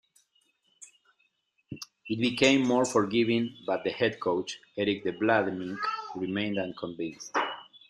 It became more forgiving but the head coach, Erik De Vlaeminck, remained unconvinced.